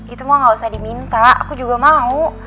itu mah gak usah diminta aku juga mau